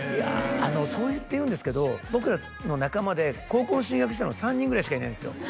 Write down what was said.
あのそうやって言うんですけど僕らの仲間で高校に進学したの３人ぐらいしかいないんですよ